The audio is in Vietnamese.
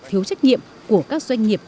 thiếu trách nhiệm của các doanh nghiệp